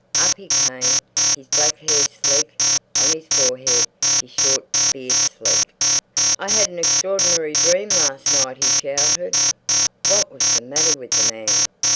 Up he came, his black hair sleek on his forehead, his short beard sleek. "I had an extraordinary dream last night!" he shouted. What was the matter with the man?